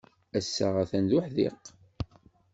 Ass-a, atan d uḥdiq.